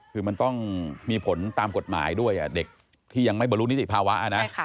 คือมันต้องมีผลตามกฎหมายด้วยเด็กที่ยังไม่บรรลุนิติภาวะนะ